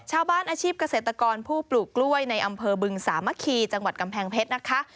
อาชีพเกษตรกรผู้ปลูกกล้วยในอำเภอบึงสามะคีจังหวัดกำแพงเพชรนะคะ